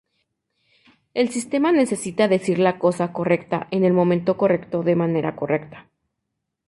El sistema necesita "decir la cosa 'correcta' en el momento 'correcto' de manera 'correcta'.